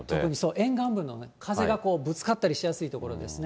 沿岸部の風がこう、ぶつかったりしやすい所ですね。